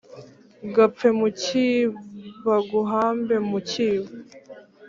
gapfe mu cyi baguhambe mu cyibo;